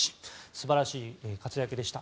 素晴らしい活躍でした。